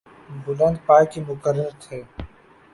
بلند پائے کے مقرر تھے۔